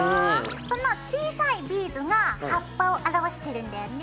その小さいビーズが葉っぱを表しているんだよね。